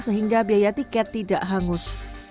sehingga biaya tiket tidak hangus